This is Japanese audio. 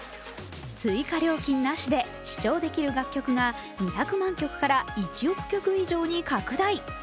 追加料金なしで視聴できる楽曲が２００万曲から１億曲以上に拡大。